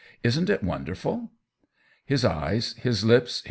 Isn't It wcnderr^ r" His eyes. Kis lips.